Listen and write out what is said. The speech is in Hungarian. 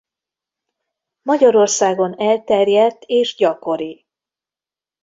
Magyarországon elterjedt és gyakori.